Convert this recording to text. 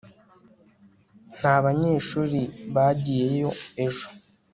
nta banyeshuri bagiyeyo ejo